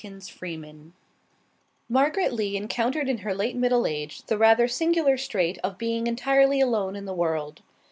NOBLESSE MARGARET LEE encountered in her late middle age the rather singular strait of being entirely alone in the world.